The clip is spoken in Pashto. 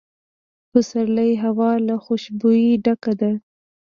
د پسرلي هوا له خوشبویۍ ډکه ده.